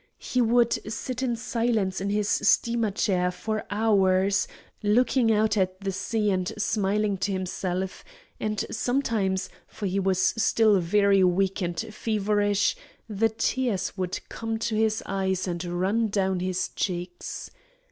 He would sit in silence in his steamer chair for hours, looking out at the sea and smiling to himself, and sometimes, for he was still very weak and feverish, the tears would come to his eyes and run down his cheeks.